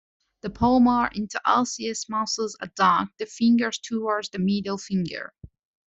The palmar interosseous muscles "adduct" the fingers towards the middle finger.